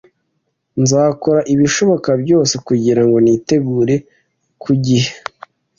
Nzakora ibishoboka byose kugirango nitegure ku gihe.